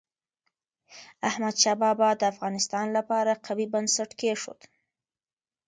احمد شاه بابا د افغانستان لپاره قوي بنسټ کېښود.